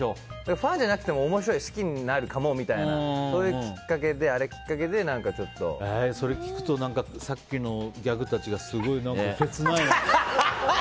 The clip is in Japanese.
ファンじゃなくても面白い、好きになるかもってそれを聞くとさっきのギャグたちがすごい切ない。